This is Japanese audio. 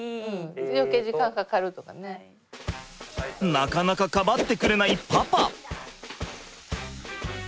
なかなかかまってくれないパパ。